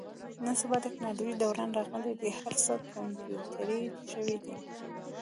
نن سبا د تکنالوژۍ دوران راغلی دی. هر څه کمپیوټري شوي دي.